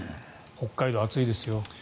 北海道暑いですよ。